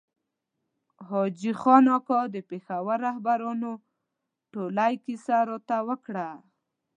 حاجي خان اکا د پېښور رهبرانو ټولۍ کیسه راته وکړه.